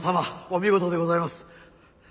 お見事でございます。